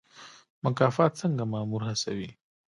مکافات څنګه مامور هڅوي؟